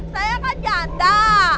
saya kan janda